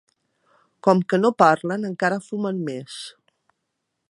Com que no parlen encara fumen més.